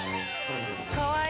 かわいい。